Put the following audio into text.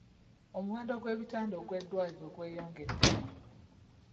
Omuwendo gw'ebitanda ogw'eddwaliro gweyongedde.